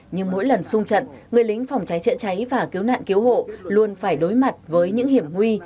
nhưng mỗi lần sung trận người lính phòng cháy chữa cháy và cứu nạn cứu hộ luôn phải đối mặt với những hiểm nguy